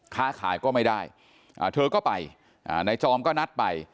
ค้าขายก็ไม่ได้เธอก็ไปนายจอมก็นัดไป